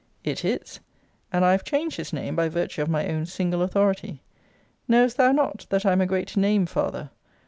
It is. And I have changed his name by virtue of my own single authority. Knowest thou not, that I am a great name father?